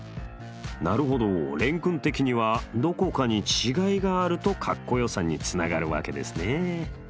なるほど廉君的にはどこかに違いがあるとかっこよさにつながるわけですね。